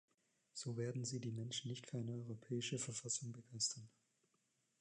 So werden Sie die Menschen nicht für eine europäische Verfassung begeistern.